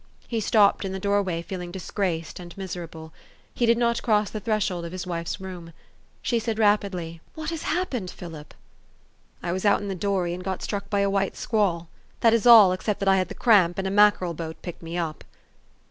He stopped in the door way, feeling disgraced and miserable. He did not cross the threshold of his wife's room. She said rapidly, " What has happened, Philip?" " I was out in the dory, and got struck by a white squall. That is all, except that I had the cramp, and a mackerel boat picked me up."